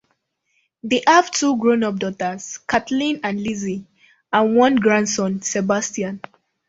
They have two grown-up daughters, Kathleen and Lizzie, and one grandson, Sebastian.